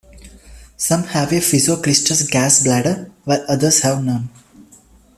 Some have a physoclistous gas bladder, while others have none.